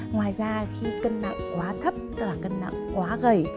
ngoài ra khi cân nặng quá thấp cả cân nặng quá gầy